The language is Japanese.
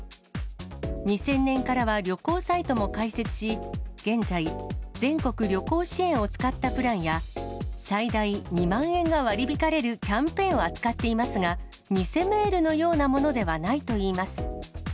２０００年からは旅行サイトも開設し、現在、全国旅行支援を使ったプランや、最大２万円が割り引かれるキャンペーンを扱っていますが、偽メールのようなものではないといいます。